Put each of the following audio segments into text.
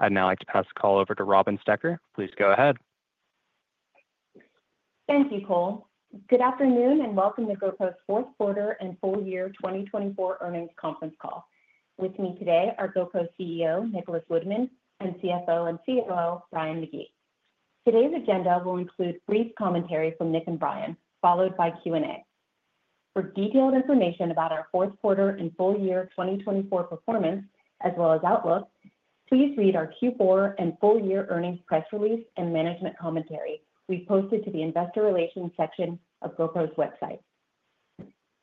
I'd now like to pass the call over to Robin Stoecker. Please go ahead. Thank you, Cole. Good afternoon and welcome to GoPro's fourth quarter and full year 2024 earnings conference call. With me today are GoPro CEO, Nicholas Woodman, and CFO and COO, Brian McGee. Today's agenda will include brief commentary from Nick and Brian, followed by Q&A. For detailed information about our fourth quarter and full year 2024 performance, as well as outlook, please read our Q4 and full year earnings press release and management commentary we posted to the investor relations section of GoPro's website.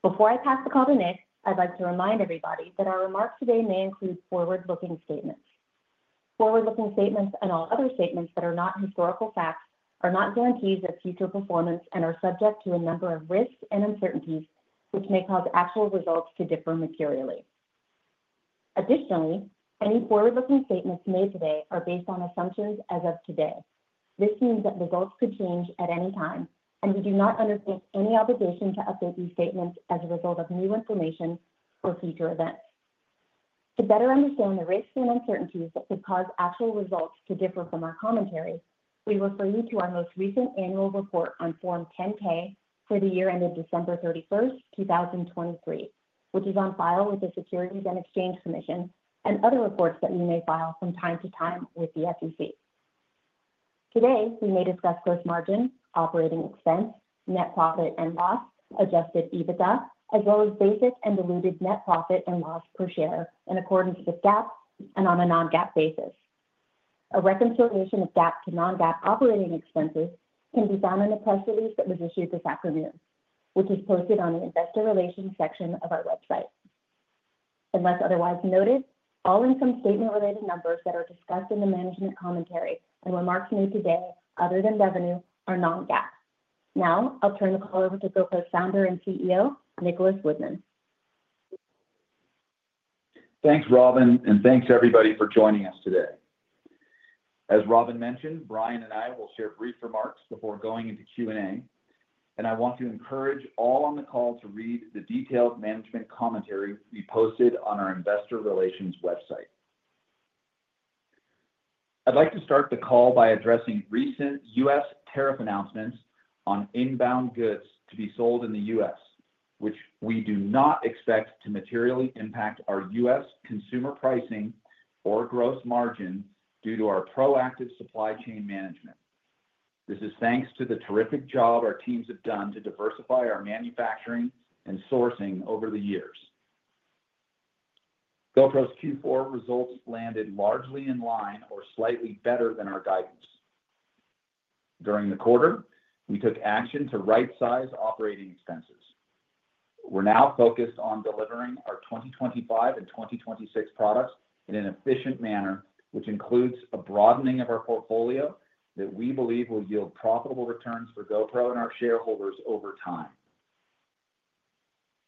Before I pass the call to Nick, I'd like to remind everybody that our remarks today may include forward-looking statements. Forward-looking statements and all other statements that are not historical facts are not guarantees of future performance and are subject to a number of risks and uncertainties, which may cause actual results to differ materially. Additionally, any forward-looking statements made today are based on assumptions as of today. This means that results could change at any time, and we do not undertake any obligation to update these statements as a result of new information or future events. To better understand the risks and uncertainties that could cause actual results to differ from our commentary, we refer you to our most recent annual report on Form 10-K for the year ended December 31, 2023, which is on file with the Securities and Exchange Commission and other reports that we may file from time to time with the SEC. Today, we may discuss gross margin, operating expense, net profit and loss, adjusted EBITDA, as well as basic and diluted net profit and loss per share in accordance with GAAP and on a non-GAAP basis. A reconciliation of GAAP to non-GAAP operating expenses can be found in the press release that was issued this afternoon, which is posted on the investor relations section of our website. Unless otherwise noted, all income statement-related numbers that are discussed in the management commentary and remarks made today other than revenue are non-GAAP. Now, I'll turn the call over to GoPro's founder and CEO, Nicholas Woodman. Thanks, Robin, and thanks everybody for joining us today. As Robin mentioned, Brian and I will share brief remarks before going into Q&A, and I want to encourage all on the call to read the detailed management commentary we posted on our investor relations website. I'd like to start the call by addressing recent U.S. tariff announcements on inbound goods to be sold in the U.S., which we do not expect to materially impact our U.S. consumer pricing or gross margin due to our proactive supply chain management. This is thanks to the terrific job our teams have done to diversify our manufacturing and sourcing over the years. GoPro's Q4 results landed largely in line or slightly better than our guidance. During the quarter, we took action to right-size operating expenses. We're now focused on delivering our 2025 and 2026 products in an efficient manner, which includes a broadening of our portfolio that we believe will yield profitable returns for GoPro and our shareholders over time.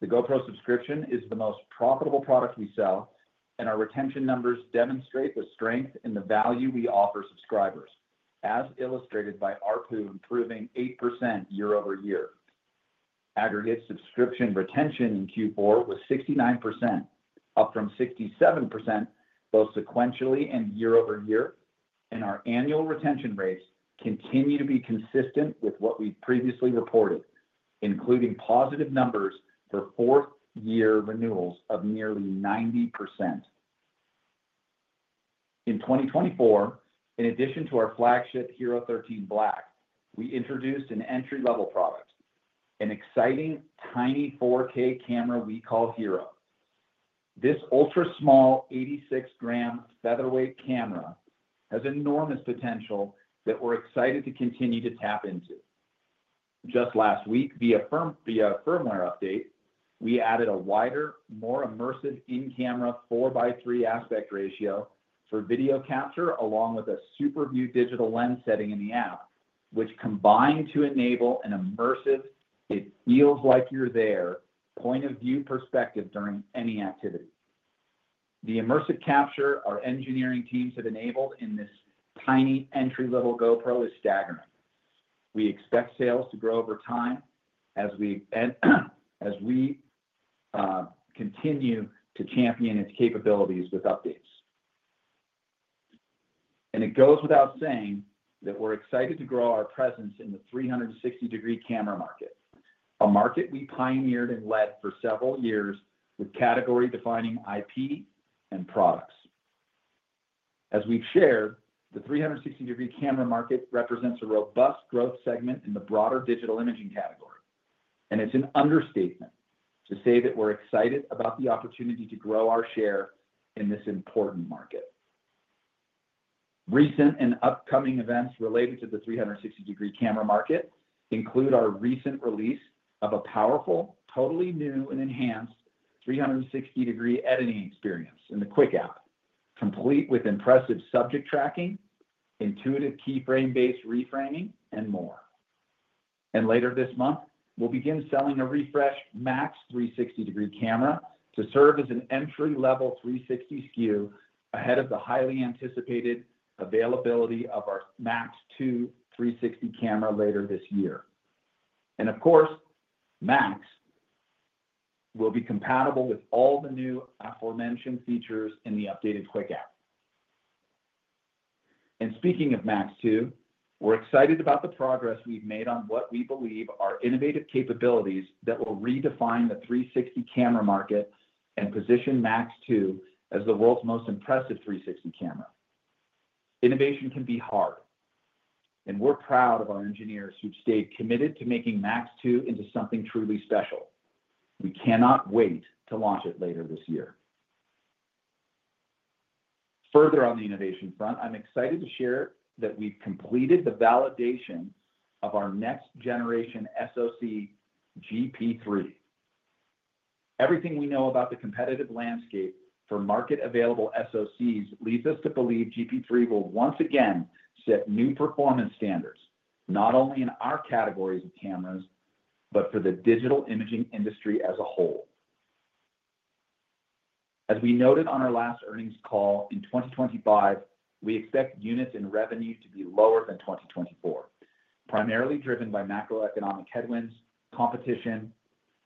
The GoPro subscription is the most profitable product we sell, and our retention numbers demonstrate the strength in the value we offer subscribers, as illustrated by ARPU improving 8% year-over-year. Aggregate subscription retention in Q4 was 69%, up from 67% both sequentially and year-over-year, and our annual retention rates continue to be consistent with what we previously reported, including positive numbers for fourth-year renewals of nearly 90%. In 2024, in addition to our flagship HERO13 Black, we introduced an entry-level product, an exciting tiny 4K camera we call HERO. This ultra-small 86-gram featherweight camera has enormous potential that we're excited to continue to tap into. Just last week, via firmware update, we added a wider, more immersive in-camera 4:3 aspect ratio for video capture along with a SuperView digital lens setting in the app, which combined to enable an immersive, it feels like you're there point of view perspective during any activity. The immersive capture our engineering teams have enabled in this tiny entry-level GoPro is staggering. We expect sales to grow over time as we continue to champion its capabilities with updates. It goes without saying that we're excited to grow our presence in the 360-degree camera market, a market we pioneered and led for several years with category-defining IP and products. As we've shared, the 360-degree camera market represents a robust growth segment in the broader digital imaging category, and it's an understatement to say that we're excited about the opportunity to grow our share in this important market. Recent and upcoming events related to the 360-degree camera market include our recent release of a powerful, totally new, and enhanced 360-degree editing experience in the Quik app, complete with impressive subject tracking, intuitive keyframe-based reframing, and more. Later this month, we will begin selling a refreshed MAX 360-degree camera to serve as an entry-level 360 SKU ahead of the highly anticipated availability of our MAX 2 360 camera later this year. Of course, MAX will be compatible with all the new aforementioned features in the updated Quik app. Speaking of MAX 2, we are excited about the progress we have made on what we believe are innovative capabilities that will redefine the 360 camera market and position MAX 2 as the world's most impressive 360 camera. Innovation can be hard, and we are proud of our engineers who have stayed committed to making MAX 2 into something truly special. We cannot wait to launch it later this year. Further on the innovation front, I'm excited to share that we've completed the validation of our next generation SoC GP3. Everything we know about the competitive landscape for market-available SoCs leads us to believe GP3 will once again set new performance standards, not only in our categories of cameras, but for the digital imaging industry as a whole. As we noted on our last earnings call in 2025, we expect units and revenue to be lower than 2024, primarily driven by macroeconomic headwinds, competition,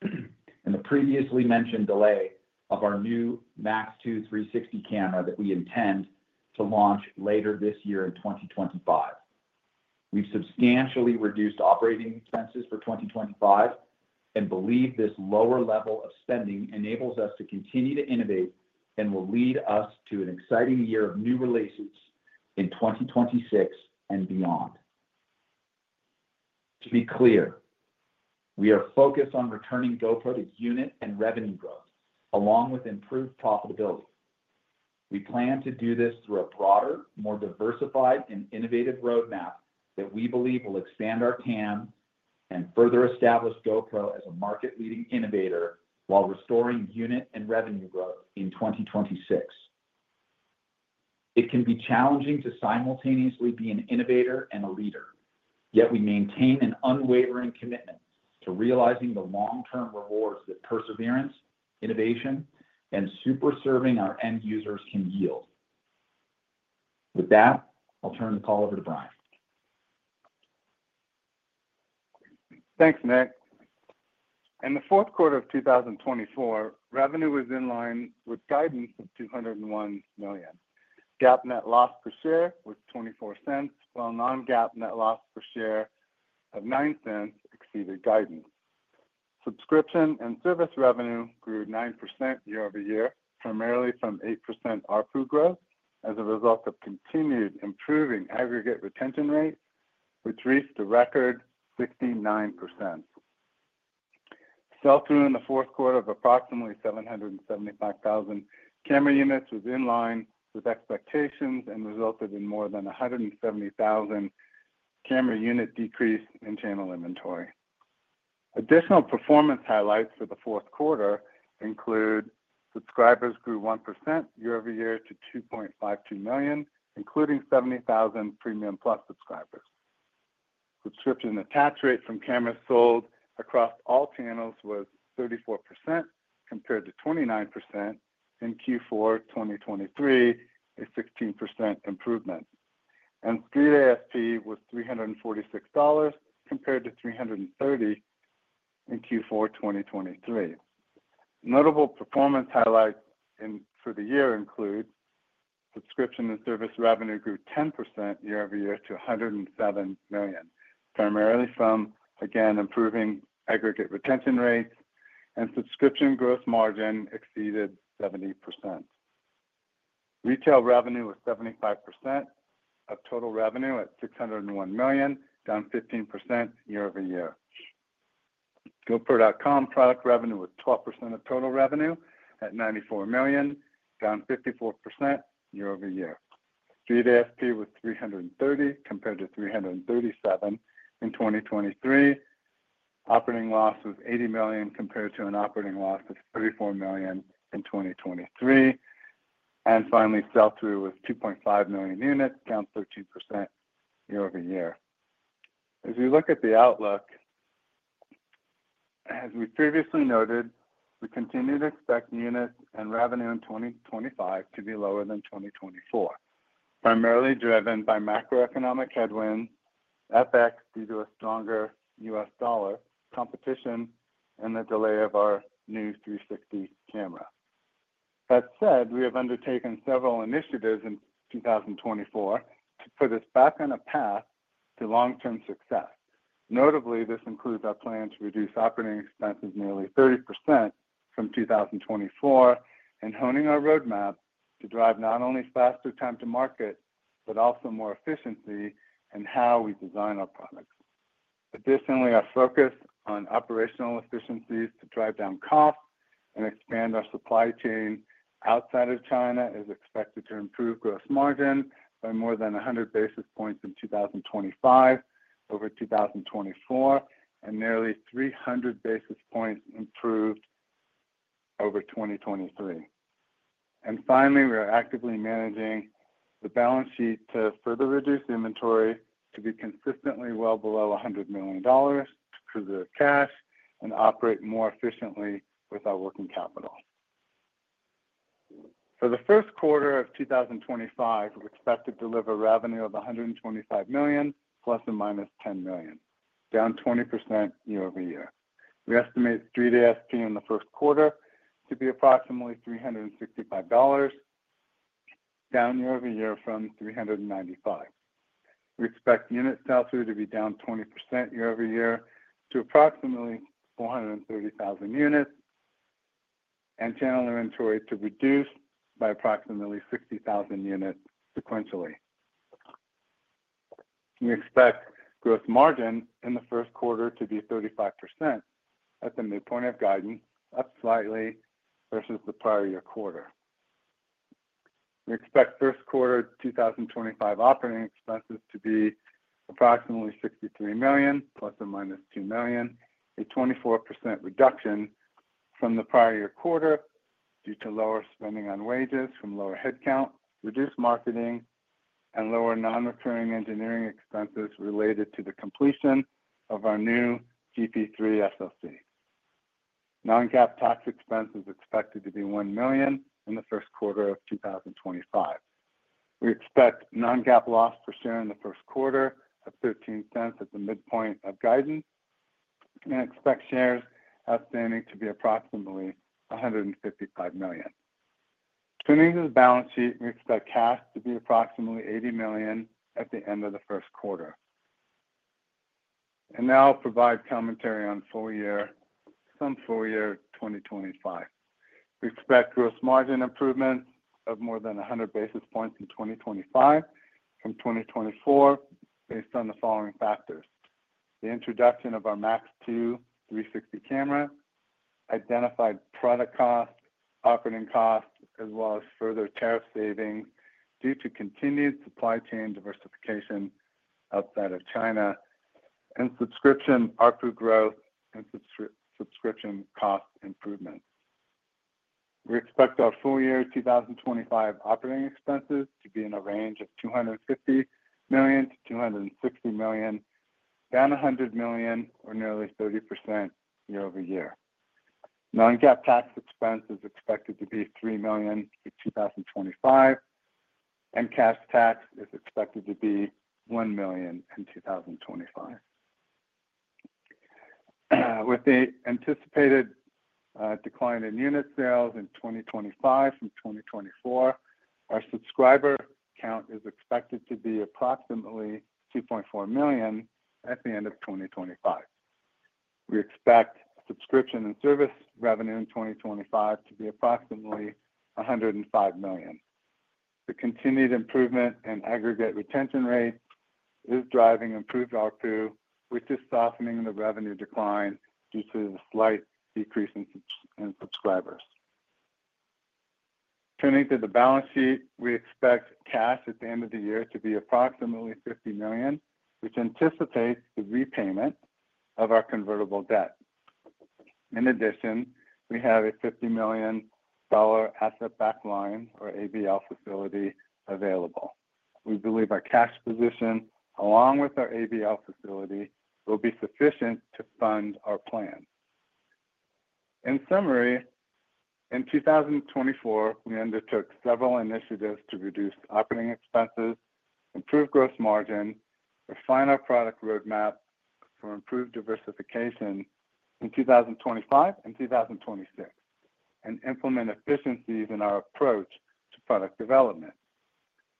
and the previously mentioned delay of our new MAX 2 360 camera that we intend to launch later this year in 2025. We've substantially reduced operating expenses for 2025 and believe this lower level of spending enables us to continue to innovate and will lead us to an exciting year of new releases in 2026 and beyond. To be clear, we are focused on returning GoPro to unit and revenue growth, along with improved profitability. We plan to do this through a broader, more diversified, and innovative roadmap that we believe will expand our TAM and further establish GoPro as a market-leading innovator while restoring unit and revenue growth in 2026. It can be challenging to simultaneously be an innovator and a leader, yet we maintain an unwavering commitment to realizing the long-term rewards that perseverance, innovation, and super serving our end users can yield. With that, I'll turn the call over to Brian. Thanks, Nick. In the fourth quarter of 2024, revenue was in line with guidance of $201 million. GAAP net loss per share was $0.24, while non-GAAP net loss per share of $0.09 exceeded guidance. Subscription and service revenue grew 9% year-over-year, primarily from 8% ARPU growth as a result of continued improving aggregate retention rate, which reached a record 59%. Sell-through in the fourth quarter of approximately 775,000 camera units was in line with expectations and resulted in more than 170,000 camera unit decrease in channel inventory. Additional performance highlights for the fourth quarter include subscribers grew 1% year-over-year to 2.52 million, including 70,000 Premium+ subscribers. Subscription attach rate from cameras sold across all channels was 34% compared to 29% in Q4 2023, a 16% improvement. Street ASP was $346 compared to $330 in Q4 2023. Notable performance highlights for the year include subscription and service revenue grew 10% year-over-year to $107 million, primarily from, again, improving aggregate retention rates, and subscription gross margin exceeded 70%. Retail revenue was 75% of total revenue at $601 million, down 15% year-over-year. GoPro.com product revenue was 12% of total revenue at $94 million, down 54% year-over-year. Street ASP was $330 compared to $337 in 2023. Operating loss was $80 million compared to an operating loss of $34 million in 2023. Finally, sell-through was 2.5 million units, down 13% year-over-year. As we look at the outlook, as we previously noted, we continue to expect units and revenue in 2025 to be lower than 2024, primarily driven by macroeconomic headwinds, FX due to a stronger U.S. dollar, competition, and the delay of our new 360 camera. That said, we have undertaken several initiatives in 2024 to put us back on a path to long-term success. Notably, this includes our plan to reduce operating expenses nearly 30% from 2024 and honing our roadmap to drive not only faster time to market, but also more efficiency in how we design our products. Additionally, our focus on operational efficiencies to drive down costs and expand our supply chain outside of China is expected to improve gross margin by more than 100 basis points in 2025 over 2024 and nearly 300 basis points improved over 2023. Finally, we are actively managing the balance sheet to further reduce inventory to be consistently well below $100 million to preserve cash and operate more efficiently with our working capital. For the first quarter of 2025, we're expected to deliver revenue of $125 million, plus or minus $10 million, down 20% year-over-year. We estimate Street ASP in the first quarter to be approximately $365, down year-over-year from $395. We expect unit sell-through to be down 20% year-over-year to approximately 430,000 units and channel inventory to reduce by approximately 60,000 units sequentially. We expect gross margin in the first quarter to be 35% at the midpoint of guidance, up slightly versus the prior year quarter. We expect first quarter 2025 operating expenses to be approximately $63 million, plus or minus $2 million, a 24% reduction from the prior year quarter due to lower spending on wages from lower headcount, reduced marketing, and lower non-recurring engineering expenses related to the completion of our new GP3 SoC. Non-GAAP tax expense is expected to be $1 million in the first quarter of 2025. We expect non-GAAP loss per share in the first quarter of $0.13 at the midpoint of guidance and expect shares outstanding to be approximately 155 million. Turning to the balance sheet, we expect cash to be approximately $80 million at the end of the first quarter. Now I'll provide commentary on some full year 2025. We expect gross margin improvements of more than 100 basis points in 2025 from 2024 based on the following factors. The introduction of our MAX 2 360 camera, identified product costs, operating costs, as well as further tariff savings due to continued supply chain diversification outside of China and subscription ARPU growth and subscription cost improvements. We expect our full year 2025 operating expenses to be in a range of $250 million-$260 million, down $100 million or nearly 30% year-over-year. Non-GAAP tax expense is expected to be $3 million in 2025, and cash tax is expected to be $1 million in 2025. With the anticipated decline in unit sales in 2025 from 2024, our subscriber count is expected to be approximately 2.4 million at the end of 2025. We expect subscription and service revenue in 2025 to be approximately $105 million. The continued improvement in aggregate retention rate is driving improved ARPU, which is softening the revenue decline due to the slight decrease in subscribers. Turning to the balance sheet, we expect cash at the end of the year to be approximately $50 million, which anticipates the repayment of our convertible debt. In addition, we have a $50 million asset-backed line or ABL facility available. We believe our cash position, along with our ABL facility, will be sufficient to fund our plan. In summary, in 2024, we undertook several initiatives to reduce operating expenses, improve gross margin, refine our product roadmap for improved diversification in 2025 and 2026, and implement efficiencies in our approach to product development.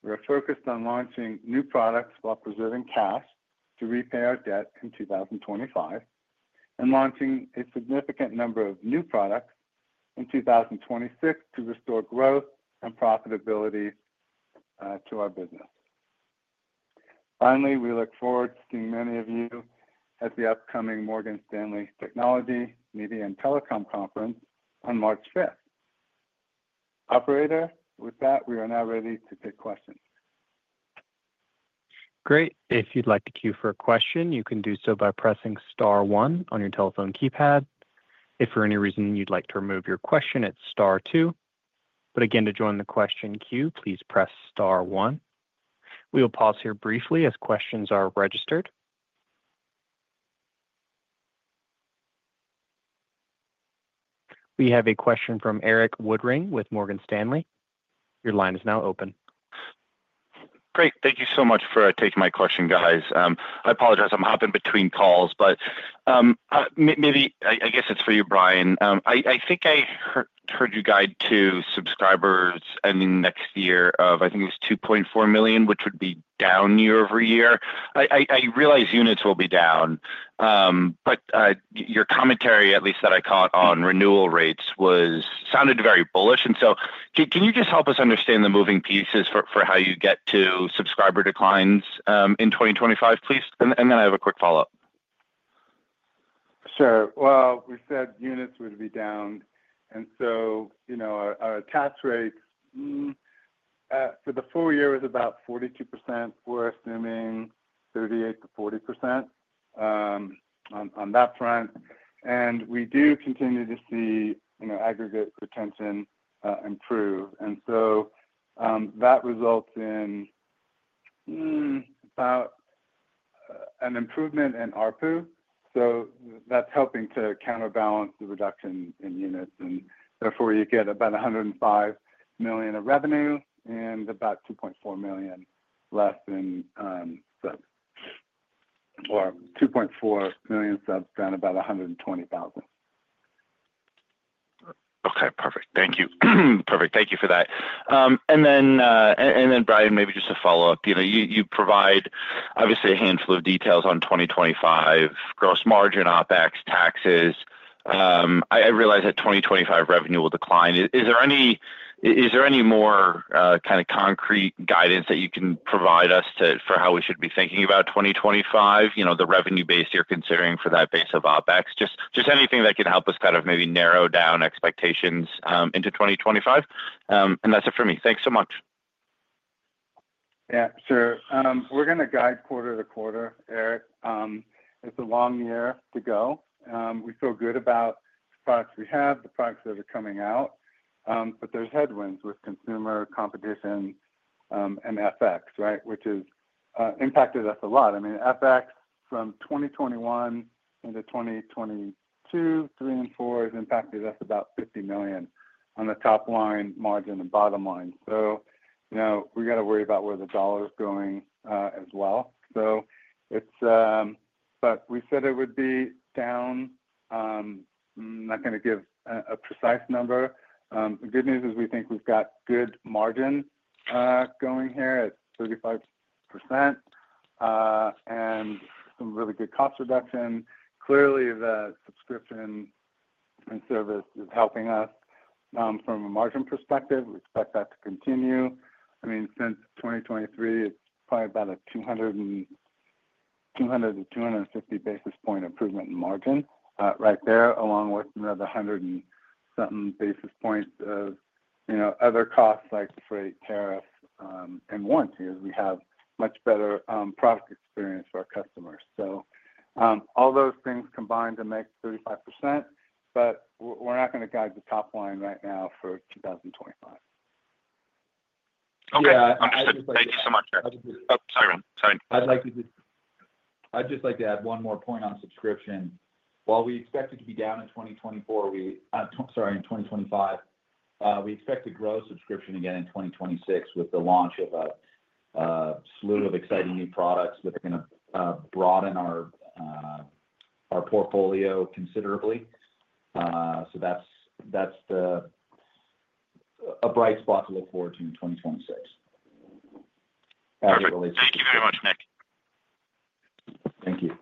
We are focused on launching new products while preserving cash to repay our debt in 2025 and launching a significant number of new products in 2026 to restore growth and profitability to our business. Finally, we look forward to seeing many of you at the upcoming Morgan Stanley Technology, Media, and Telecom Conference on March 5th. Operator, with that, we are now ready to take questions. Great. If you'd like to queue for a question, you can do so by pressing star one on your telephone keypad. If for any reason you'd like to remove your question, it's star two. To join the question queue, please press star one. We will pause here briefly as questions are registered. We have a question from Erik Woodring with Morgan Stanley. Your line is now open. Great. Thank you so much for taking my question, guys. I apologize. I'm hopping between calls, but maybe, I guess it's for you, Brian. I think I heard you guide to subscribers ending next year of, I think it was 2.4 million, which would be down year-over-year. I realize units will be down, but your commentary, at least that I caught on renewal rates, sounded very bullish. Can you just help us understand the moving pieces for how you get to subscriber declines in 2025, please? I have a quick follow-up. Sure. We said units would be down. Our tax rates for the full year was about 42%. We're assuming 38-40% on that front. We do continue to see aggregate retention improve. That results in about an improvement in ARPU. That's helping to counterbalance the reduction in units. Therefore, you get about $105 million of revenue and about 2.4 million less than subs, or 2.4 million subs down about 120,000. Okay. Perfect. Thank you. Perfect. Thank you for that. Brian, maybe just to follow up, you provide, obviously, a handful of details on 2025 gross margin, OpEx, taxes. I realize that 2025 revenue will decline. Is there any more kind of concrete guidance that you can provide us for how we should be thinking about 2025, the revenue base you're considering for that base of OpEx? Just anything that can help us kind of maybe narrow down expectations into 2025. That's it for me. Thanks so much. Yeah, sure. We're going to guide quarter to quarter, Eric. It's a long year to go. We feel good about the products we have, the products that are coming out, but there's headwinds with consumer competition and FX, right, which has impacted us a lot. I mean, FX from 2021 into 2022, three and four has impacted us about $50 million on the top line margin and bottom line. We got to worry about where the dollar is going as well. We said it would be down. I'm not going to give a precise number. The good news is we think we've got good margin going here at 35% and some really good cost reduction. Clearly, the subscription and service is helping us from a margin perspective. We expect that to continue. I mean, since 2023, it's probably about a 200-250 basis point improvement in margin right there, along with another 100 and something basis points of other costs like freight, tariffs, and warranty as we have much better product experience for our customers. All those things combined to make 35%, but we're not going to guide the top line right now for 2025. Okay. Understood, thank you so much. Sorry, Sorry. I'd just like to add one more point on subscription. While we expect it to be down in 2024, sorry, in 2025, we expect to grow subscription again in 2026 with the launch of a slew of exciting new products that are going to broaden our portfolio considerably. That's a bright spot to look forward to in 2026 as it relates to. Thank you very much, Nick. Thank you.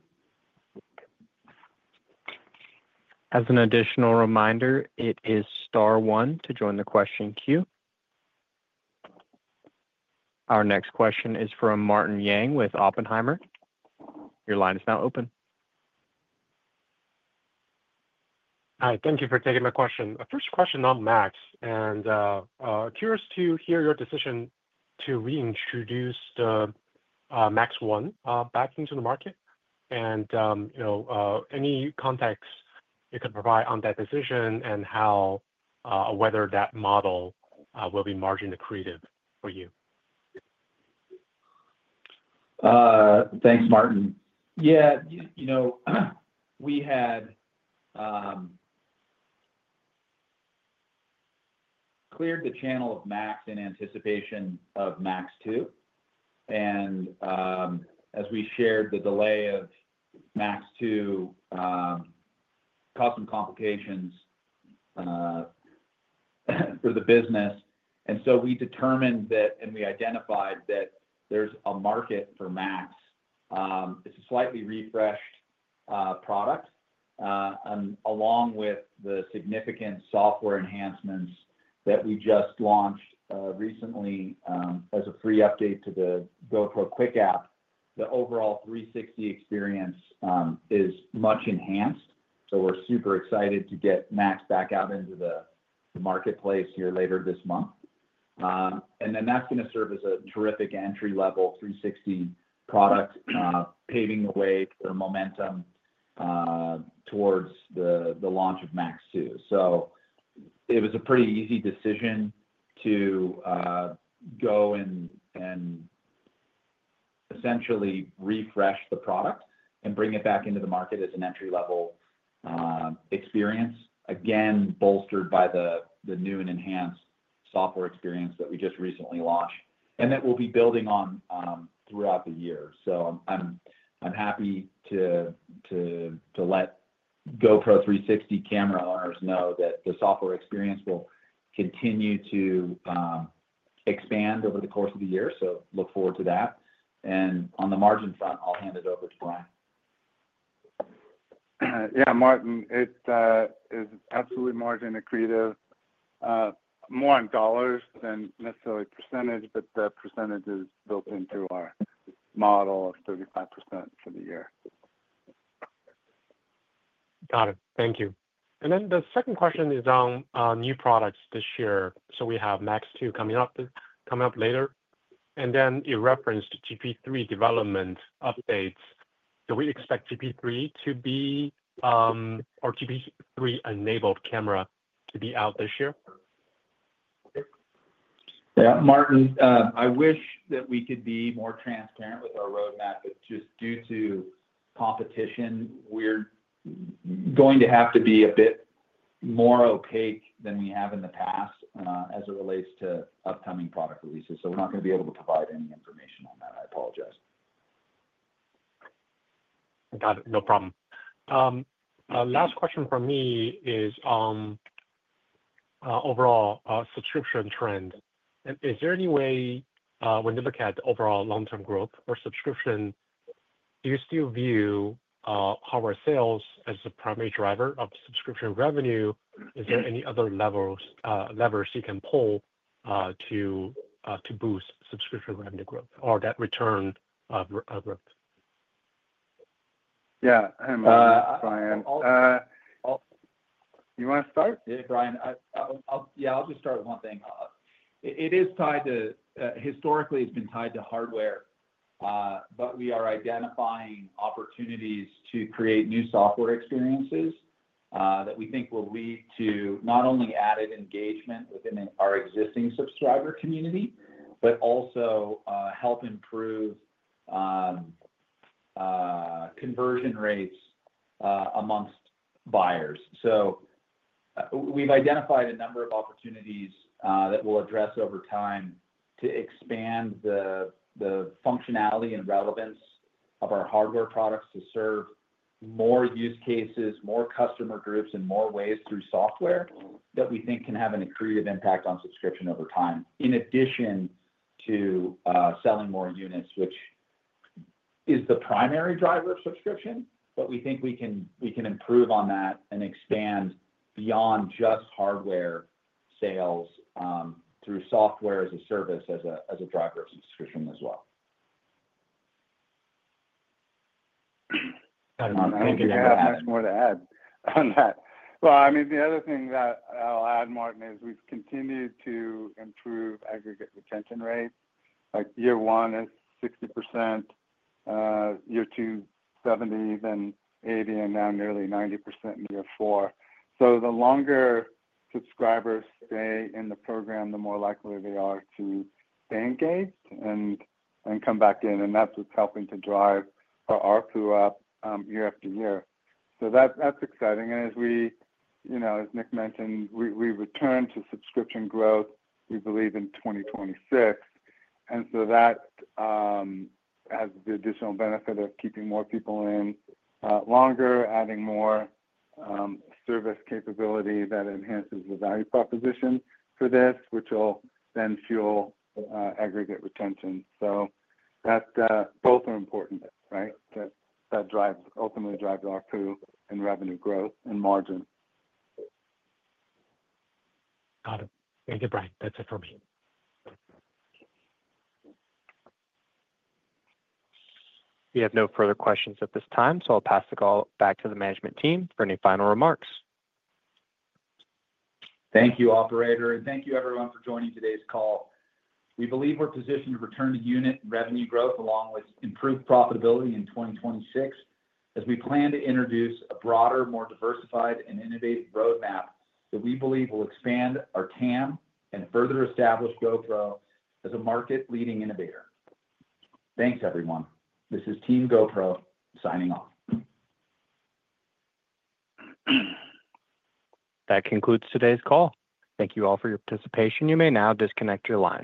As an additional reminder, it is star oneto join the question queue. Our next question is from Martin Yang with Oppenheimer. Your line is now open. Hi. Thank you for taking my question. My first question on MAX. Curious to hear your decision to reintroduce the MAX 1 back into the market and any context you could provide on that decision and whether that model will be marginally accretive for you. Thanks, Martin. Yeah. We had cleared the channel of MAX in anticipation of MAX 2. As we shared, the delay of MAX 2 caused some complications for the business. We determined that and we identified that there's a market for MAX. It's a slightly refreshed product. Along with the significant software enhancements that we just launched recently as a free update to the GoPro Quik app, the overall 360 experience is much enhanced. We are super excited to get MAX back out into the marketplace here later this month. That is going to serve as a terrific entry-level 360 product, paving the way for momentum towards the launch of MAX 2. It was a pretty easy decision to go and essentially refresh the product and bring it back into the market as an entry-level experience, again, bolstered by the new and enhanced software experience that we just recently launched and that we will be building on throughout the year. I am happy to let GoPro 360 camera owners know that the software experience will continue to expand over the course of the year. Look forward to that. On the margin front, I will hand it over to Brian. Yeah, Martin, it is absolutely marginally accretive. More on dollars than necessarily percentage, but the percentage is built into our model of 35% for the year. Got it. Thank you. The second question is on new products this year. We have MAX 2 coming up later. You referenced GP3 development updates. Do we expect GP3 to be or GP3-enabled camera to be out this year? Yeah. Martin, I wish that we could be more transparent with our roadmap, but just due to competition, we're going to have to be a bit more opaque than we have in the past as it relates to upcoming product releases. We're not going to be able to provide any information on that. I apologize. Got it. No problem. Last question for me is overall subscription trend. Is there any way when you look at the overall long-term growth or subscription, do you still view hardware sales as a primary driver of subscription revenue? Is there any other levers you can pull to boost subscription revenue growth or that return of growth? Yeah. I'm Brian. You want to start? Yeah, Brian. Yeah, I'll just start with one thing. It is tied to historically, it's been tied to hardware, but we are identifying opportunities to create new software experiences that we think will lead to not only added engagement within our existing subscriber community, but also help improve conversion rates amongst buyers. We have identified a number of opportunities that we'll address over time to expand the functionality and relevance of our hardware products to serve more use cases, more customer groups, and more ways through software that we think can have an accretive impact on subscription over time, in addition to selling more units, which is the primary driver of subscription. We think we can improve on that and expand beyond just hardware sales through software as a service as a driver of subscription as well. I do not think we have much more to add on that. I mean, the other thing that I will add, Martin, is we have continued to improve aggregate retention rates. Year one is 60%, year two, 70%, then 80%, and now nearly 90% in year four. The longer subscribers stay in the program, the more likely they are to stay engaged and come back in. That is what is helping to drive our ARPU up year after year. That is exciting. As Nick mentioned, we return to subscription growth, we believe, in 2026. That has the additional benefit of keeping more people in longer, adding more service capability that enhances the value proposition for this, which will then fuel aggregate retention. Both are important, right? That ultimately drives ARPU and revenue growth and margin. Got it. Thank you, Brian. That's it for me. We have no further questions at this time, so I'll pass the call back to the management team for any final remarks. Thank you, Operator. Thank you, everyone, for joining today's call. We believe we're positioned to return to unit and revenue growth along with improved profitability in 2026 as we plan to introduce a broader, more diversified, and innovative roadmap that we believe will expand our TAM and further establish GoPro as a market-leading innovator. Thanks, everyone. This is Team GoPro signing off. That concludes today's call. Thank you all for your participation. You may now disconnect your line.